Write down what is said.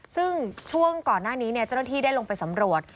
ซึ่งช่วงก่อนหน้านี้เจ้าหน้าที่ได้ลงไปสำรวจ